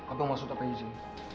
abang mau masuk tanpa izin